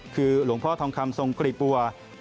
คือหลวงพ่อทองคำทรงกรีบัว